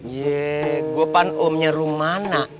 yee gue pan omnya rumana